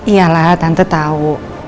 iyalah tante tau